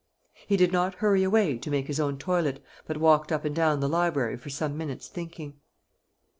He did not hurry away to make his own toilet, but walked up and down the library for some minutes, thinking.